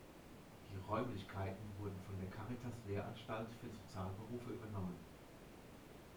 Die Räumlichkeiten wurden von der Caritas-Lehranstalt für Sozialberufe übernommen.